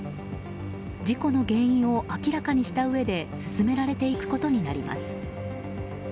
事故の原因を明らかにしたうえで進められていくことになります。